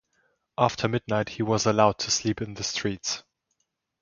After midnight he was allowed to sleep in the streets.